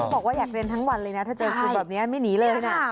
บอกว่าอยากเรียนทั้งวันเลยนะถ้าเจอคุณแบบนี้ไม่หนีเลยนะ